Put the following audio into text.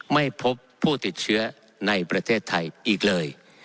ไม่พบผู้ติดเชื้อในประเทศไทยอีกเลย